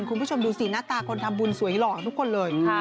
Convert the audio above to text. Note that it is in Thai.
คุณผู้ชมดูสิหน้าตาคนทำบุญสวยหล่อทุกคนเลย